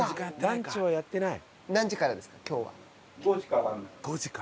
ランチはやってない。